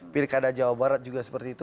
pilkada jawa barat juga seperti itu